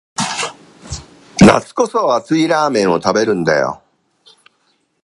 夏こそ熱いラーメンを食べるんだよ